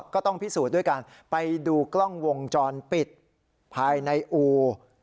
ก็ต้องพิสูจน์ด้วยการไปดูกล้องวงจรปิดภายในอู